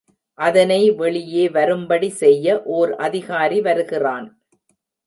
அதனை வெளியே வரும்படி செய்ய, ஓர் அதிகாரி வருகிறான்.